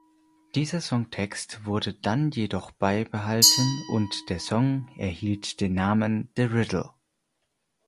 Dieser Songtext wurde dann jedoch beibehalten und der Song erhielt den Namen "The Riddle".